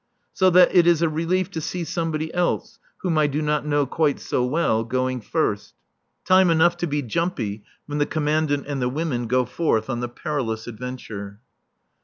So that it is a relief to see somebody else (whom I do not know quite so well) going first. Time enough to be jumpy when the Commandant and the women go forth on the perilous adventure.